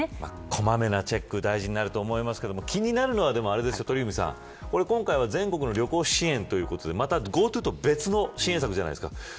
小まめなチェックは大事になると思いますが気になるのは今回は、全国の旅行支援ということで、ＧｏＴｏと別の支援策じゃないですか。